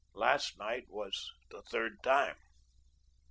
Last night was the third time."